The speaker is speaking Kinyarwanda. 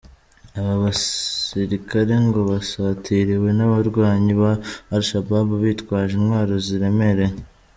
Aba abasirikare ngo basatiriwe n’abarwanyi ba Al Shabaab bitwaje intwaro ziremereye.